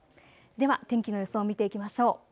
では天気の予想を見ていきましょう。